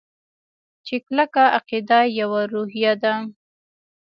چې کلکه عقیده يوه روحیه ده.